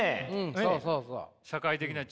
そうそうそう。